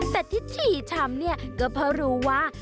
แต่ที่ฉี่ช้ำเนี่ยก็เพราะรู้ว่า